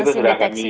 proses itu sudah kami